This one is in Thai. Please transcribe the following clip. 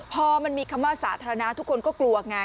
พอมันมีคำว่าสาธารณะทุกคนก็กลัวไง